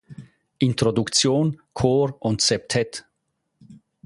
Introduktion: Chor und Septett.